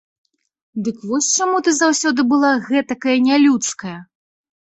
Дык вось чаму ты заўсёды была гэтакая нялюдская!